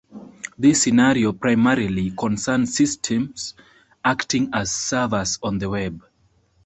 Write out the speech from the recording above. This scenario primarily concerns systems acting as servers on the web.